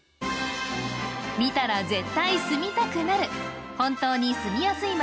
見たら絶対住みたくなる本当に住みやすい街